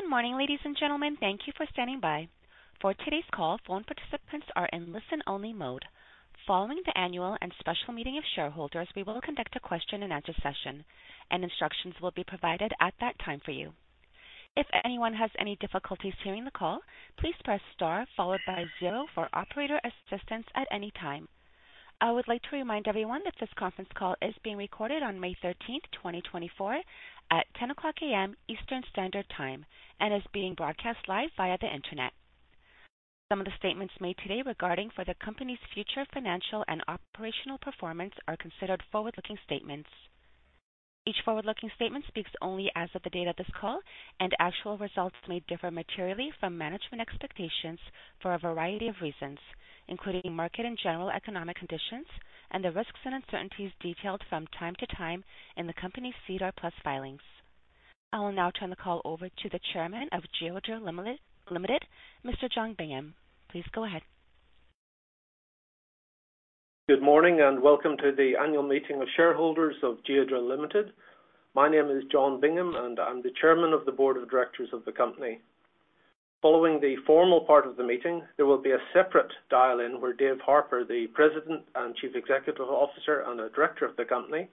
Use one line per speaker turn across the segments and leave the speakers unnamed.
Good morning, ladies and gentlemen. Thank you for standing by. For today's call, phone participants are in listen-only mode. Following the annual and special meeting of shareholders, we will conduct a question-and-answer session, and instructions will be provided at that time for you. If anyone has any difficulties hearing the call, please press star followed by zero for operator assistance at any time. I would like to remind everyone that this conference call is being recorded on May 13, 2024, at 10:00 A.M. Eastern Standard Time and is being broadcast live via the Internet. Some of the statements made today regarding for the company's future financial and operational performance are considered forward-looking statements. Each forward-looking statement speaks only as of the date of this call, and actual results may differ materially from management expectations for a variety of reasons, including market and general economic conditions and the risks and uncertainties detailed from time to time in the company's SEDAR+ filings. I will now turn the call over to the chairman of Geodrill Limited, Mr. John Bingham. Please go ahead.
Good morning, and welcome to the annual meeting of shareholders of Geodrill Limited. My name is John Bingham, and I'm the Chairman of the Board of Directors of the company. Following the formal part of the meeting, there will be a separate dial-in where Dave Harper, the President and Chief Executive Officer, and a Director of the company,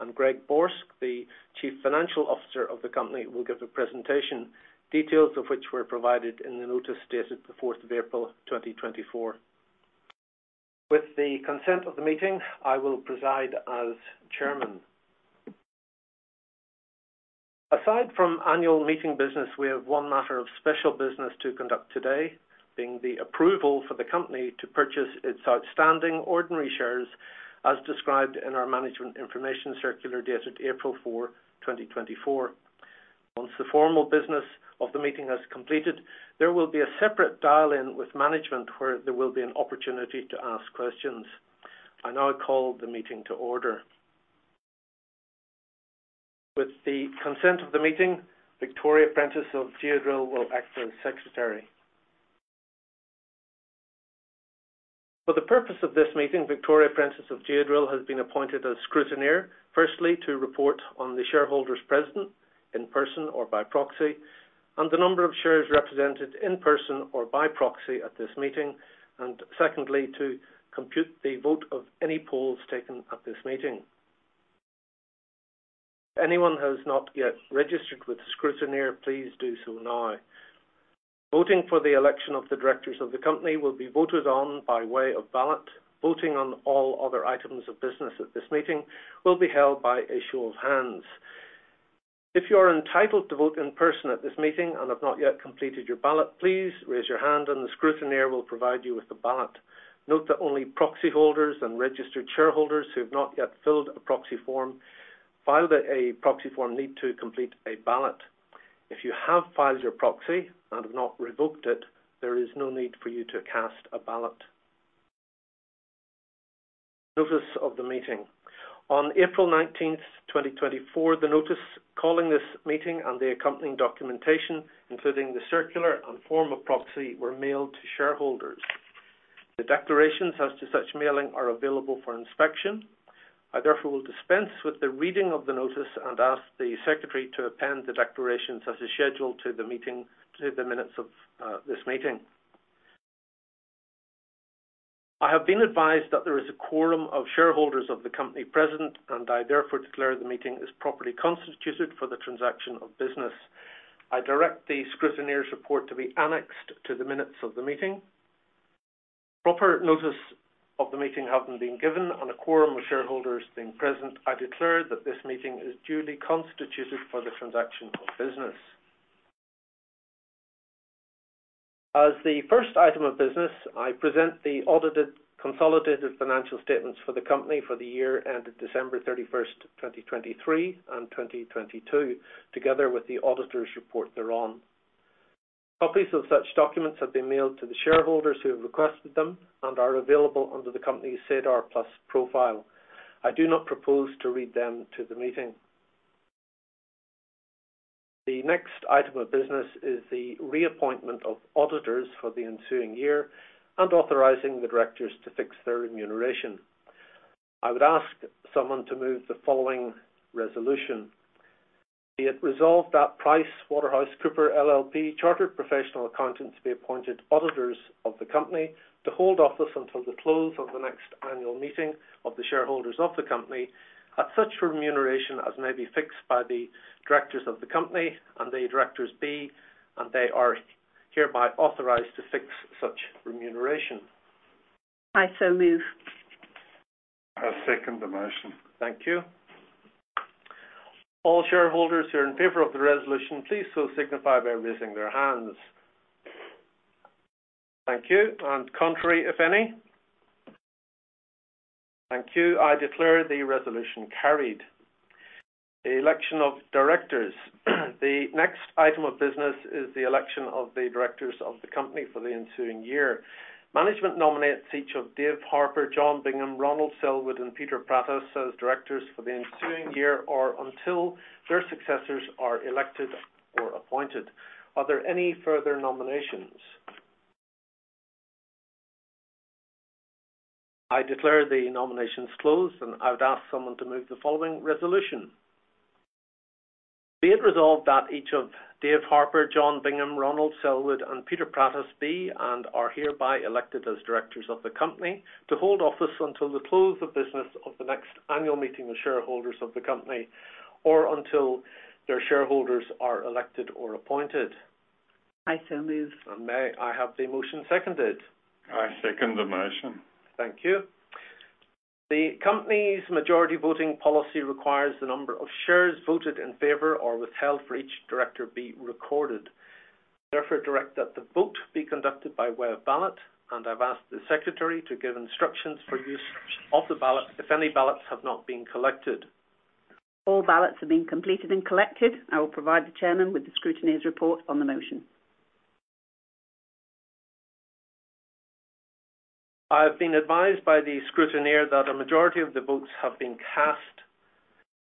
and Greg Borsk, the Chief Financial Officer of the company, will give a presentation, details of which were provided in the notice dated the April 4th 2024. With the consent of the meeting, I will preside as Chairman. Aside from annual meeting business, we have one matter of special business to conduct today, being the approval for the company to purchase its outstanding ordinary shares, as described in our Management Information Circular, dated April 4, 2024. Once the formal business of the meeting has completed, there will be a separate dial-in with management, where there will be an opportunity to ask questions. I now call the meeting to order. With the consent of the meeting, Victoria Prentice of Geodrill will act as secretary. For the purpose of this meeting, Victoria Prentice of Geodrill has been appointed as scrutineer, firstly, to report on the shareholders present, in person or by proxy, and the number of shares represented in person or by proxy at this meeting, and secondly, to compute the vote of any polls taken at this meeting. Anyone who has not yet registered with the scrutineer, please do so now. Voting for the election of the directors of the company will be voted on by way of ballot. Voting on all other items of business at this meeting will be held by a show of hands. If you are entitled to vote in person at this meeting and have not yet completed your ballot, please raise your hand, and the scrutineer will provide you with the ballot. Note that only proxy holders and registered shareholders who have not yet filed a proxy form need to complete a ballot. If you have filed your proxy and have not revoked it, there is no need for you to cast a ballot. Notice of the meeting. On April 19, 2024, the notice calling this meeting and the accompanying documentation, including the circular and form of proxy, were mailed to shareholders. The declarations as to such mailing are available for inspection. I therefore will dispense with the reading of the notice and ask the secretary to append the declarations as a schedule to the minutes of this meeting. I have been advised that there is a quorum of shareholders of the company present, and I therefore declare the meeting is properly constituted for the transaction of business. I direct the scrutineer's report to be annexed to the minutes of the meeting. Proper notice of the meeting having been given and a quorum of shareholders being present, I declare that this meeting is duly constituted for the transaction of business. As the first item of business, I present the audited consolidated financial statements for the company for the year ended December 31, 2023 and 2022, together with the auditor's report thereon. Copies of such documents have been mailed to the shareholders who have requested them and are available under the company's SEDAR+ profile. I do not propose to read them to the meeting. The next item of business is the reappointment of auditors for the ensuing year and authorizing the directors to fix their remuneration. I would ask someone to move the following resolution. Be it resolved that PricewaterhouseCoopers LLP chartered professional accountants, be appointed auditors of the company to hold office until the close of the next annual meeting of the shareholders of the company, at such remuneration as may be fixed by the directors of the company and the directors be, and they are hereby authorized to fix such remuneration.
I so move. I second the motion.
Thank you. All shareholders who are in favor of the resolution, please so signify by raising their hands. Thank you. And contrary, if any? Thank you. I declare the resolution carried. The election of directors. The next item of business is the election of the directors of the company for the ensuing year. Management nominates each of Dave Harper, John Bingham, Ronald Sellwood, and Peter Prattas as directors for the ensuing year or until their successors are elected or appointed. Are there any further nominations?... I declare the nominations closed, and I would ask someone to move the following resolution. Be it resolved that each of Dave Harper, John Bingham, Ronald Sellwood, and Peter Prattas be and are hereby elected as directors of the company to hold office until the close of business of the next annual meeting of shareholders of the company or until their shareholders are elected or appointed.
I so move.
May I have the motion seconded?
I second the motion.
Thank you. The company's majority voting policy requires the number of shares voted in favor or withheld for each director be recorded. Therefore, direct that the vote be conducted by way of ballot, and I've asked the secretary to give instructions for use of the ballot if any ballots have not been collected.
All ballots have been completed and collected. I will provide the chairman with the scrutineer's report on the motion.
I've been advised by the scrutineer that a majority of the votes have been cast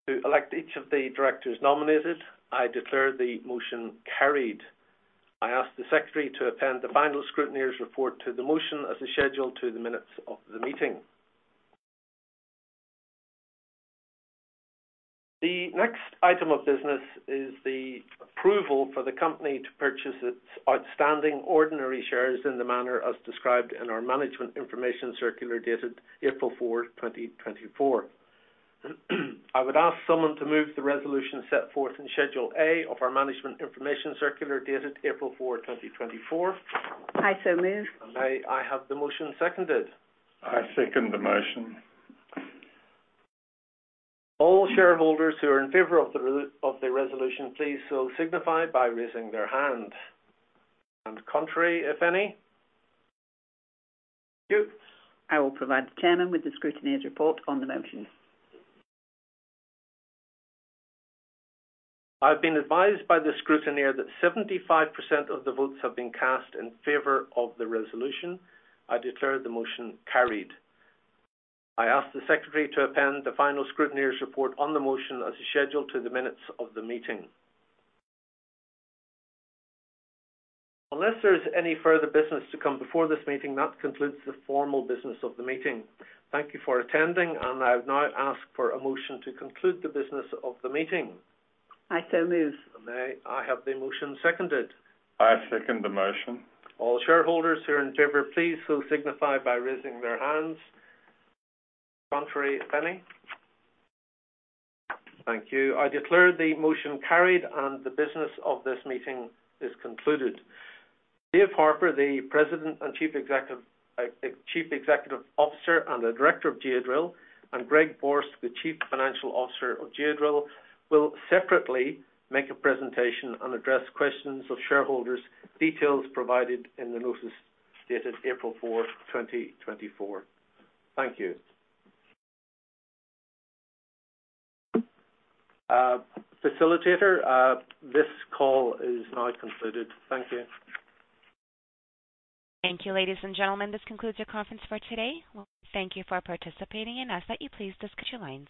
to elect each of the directors nominated. I declare the motion carried. I ask the secretary to append the final scrutineer's report to the motion as a schedule to the minutes of the meeting. The next item of business is the approval for the company to purchase its outstanding Ordinary Shares in the manner as described in our Management Information Circular, dated April 4, 2024. I would ask someone to move the resolution set forth in Schedule A of our Management Information Circular, dated April 4, 2024.
I so move.
May I have the motion seconded?
I second the motion.
All shareholders who are in favor of the resolution, please so signify by raising their hand. Contrary, if any? Thank you.
I will provide the Chairman with the scrutineer's report on the motion.
I've been advised by the scrutineer that 75% of the votes have been cast in favor of the resolution. I declare the motion carried. I ask the secretary to append the final scrutineer's report on the motion as a schedule to the minutes of the meeting. Unless there's any further business to come before this meeting, that concludes the formal business of the meeting. Thank you for attending, and I would now ask for a motion to conclude the business of the meeting.
I so move.
May I have the motion seconded?
I second the motion.
All shareholders who are in favor, please so signify by raising their hands. Contrary, if any? Thank you. I declare the motion carried, and the business of this meeting is concluded. Dave Harper, the President and Chief Executive Officer and a Director of Geodrill, and Greg Borsk, the Chief Financial Officer of Geodrill, will separately make a presentation and address questions of shareholders, details provided in the notice dated April 4, 2024. Thank you. Facilitator, this call is now concluded. Thank you.
Thank you, ladies and gentlemen. This concludes your conference for today. Thank you for participating and ask that you please disconnect your lines.